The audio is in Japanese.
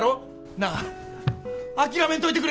なあ諦めんといてくれ！